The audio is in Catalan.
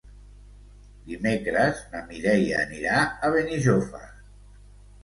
Dimecres na Mireia anirà a Benijòfar.